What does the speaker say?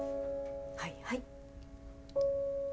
はいはい。